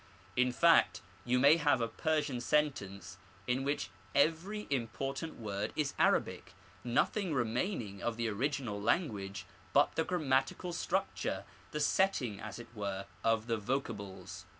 In fact you may have a Persian sentence in which every important 28 The Arabic Language. word is Arabic, nothing remaining of the original language but the grammatical structure — ^the setting, as it were, of the voca bles.